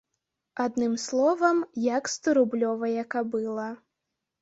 Адным словам, як сторублёвая кабыла.